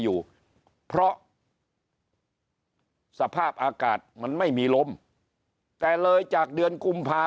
อยู่เพราะสภาพอากาศมันไม่มีลมแต่เลยจากเดือนกุมภา